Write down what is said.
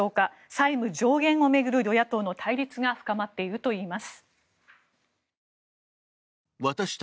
債務上限を巡る与野党の対立が深まっているといいます。